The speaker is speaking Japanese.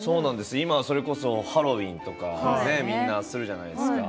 今、それこそハロウィーンとか皆するじゃないですか。